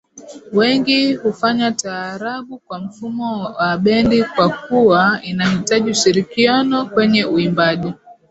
Wengi hufanya taarabu kwa mfumo wa bendi kwa kuwa inahitaji ushirikiano kwenye uimbaji